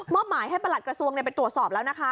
หมายให้ประหลัดกระทรวงไปตรวจสอบแล้วนะคะ